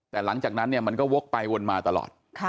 แต่หลังจากนั้นเนี่ยมันก็วกไปวนมาตลอด